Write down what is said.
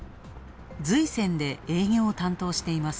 瑞泉で営業を担当しています。